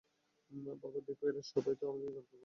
বাবা দেখো, এরা সবাই আমাকে জ্বালাতন করছে, তুমি কিছু বলো।